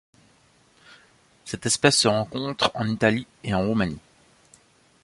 Cette espèce se rencontre en Italie et en Roumanie.